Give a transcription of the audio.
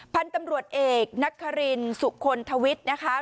พันธุ์ตำรวจเอกนักฮารินสุคลทวิทย์นะคะ